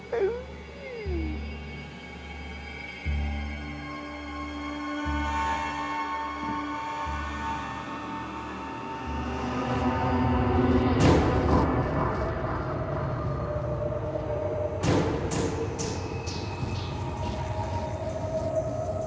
จัดเต็มให้เลย